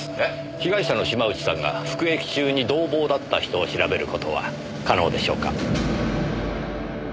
被害者の島内さんが服役中に同房だった人を調べる事は可能でしょうか？